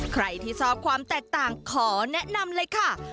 ใครที่ชอบความแตกต่างขอแนะนำเลยค่ะ